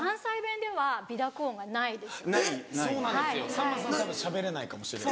さんまさんたぶんしゃべれないかもしれない。